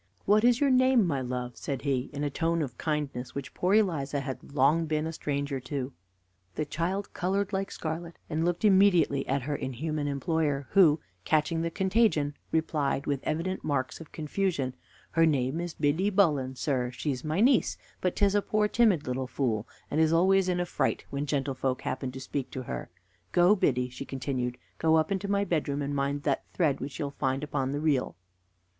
"What is your name, my love?" said he, in a tone of kindness which poor Eliza had long been a stranger to. The child colored like scarlet, and looked immediately at her inhuman employer, who, catching the contagion, replied with evident marks of confusion: "Her name is Biddy Bullen, sir; she's my niece; but 'tis a poor timid little fool, and is always in a fright when gentlefolks happen to speak to her. Go, Biddy," she continued "go up into my bedroom, and mind that thread which you'll find upon the reel."